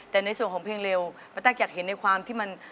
แต่ในส่วนของเพลงเร็วป้าตั๊กอยากเห็นในความที่มัน